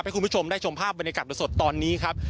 ให้คุณผู้ชมได้ชมภาพบรรยากาศสดตอนนี้ครับ